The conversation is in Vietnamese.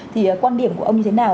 thì quan điểm của ông như thế nào